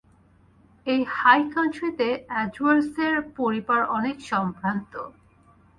এই হাই কান্ট্রিতে এডওয়ার্ডস দের পরিবার অনেক সম্ভ্রান্ত।